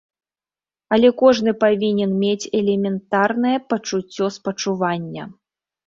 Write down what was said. Але кожны павінен мець элементарнае пачуццё спачування.